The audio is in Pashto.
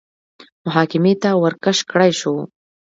محاکمې ته ورکش کړای شو